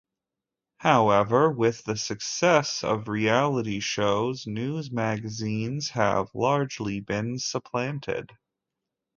However, with the success of reality shows, news magazines have largely been supplanted.